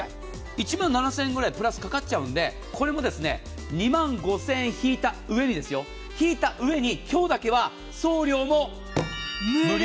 １万７０００円ぐらいプラスかかっちゃうのでこれも２万５０００円引いたうえに今日だけは送料も無料。